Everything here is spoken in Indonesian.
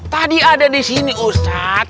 tadi ada di sini ustadz